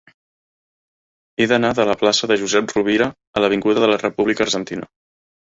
He d'anar de la plaça de Josep Rovira a l'avinguda de la República Argentina.